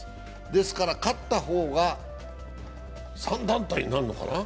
ですから勝った方が３団体になるのかな？